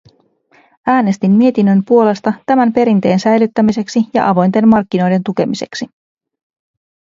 Äänestin mietinnön puolesta tämän perinteen säilyttämiseksi ja avointen markkinoiden tukemiseksi.